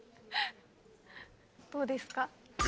どうですか？